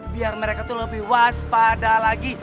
biar mereka tuh lebih waspada lagi